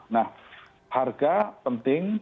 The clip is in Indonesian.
nah harga penting